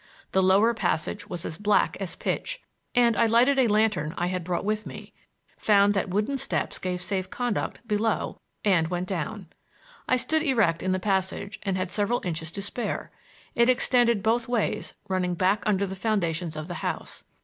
The lower passage was as black as pitch, and I lighted a lantern I had brought with me, found that wooden steps gave safe conduct below and went down. I stood erect in the passage and had several inches to spare. It extended both ways, running back under the foundations of the house.